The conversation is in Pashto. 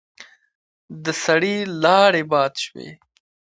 د سړي لاړې باد شوې.